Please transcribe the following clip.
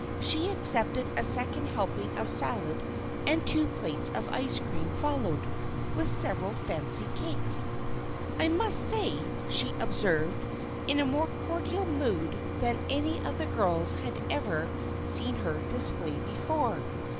She accepted a second helping of salad and two plates of ice cream followed, with several fancy cakes. "I must say," she observed, in a more cordial mood than any of the girls had ever seen her display before.